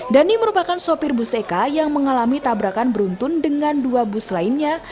dhani merupakan sopir bus eka yang mengalami tabrakan beruntun dengan dua bus lainnya